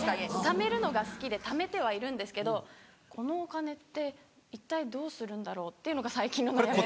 貯めるのが好きで貯めてはいるんですけどこのお金って一体どうするんだろうっていうのが最近の悩みです。